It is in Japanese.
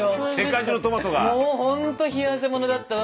もうほんと冷や汗ものだったわ。